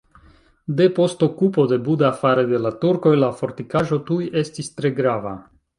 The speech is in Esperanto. Depost okupo de Buda fare de la turkoj la fortikaĵo tuj estis tre grava.